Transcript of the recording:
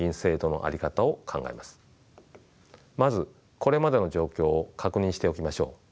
まずこれまでの状況を確認しておきましょう。